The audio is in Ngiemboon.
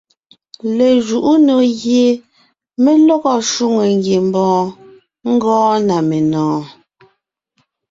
Lejuʼú nò gie mé lɔgɔ shwòŋo ngiembɔɔn gɔɔn na menɔ̀ɔn.